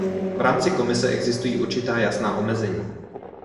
V rámci Komise existují určitá jasná omezení.